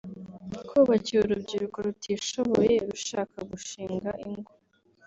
kubakira urubyiruko rutishoboye rushaka gushinga ingo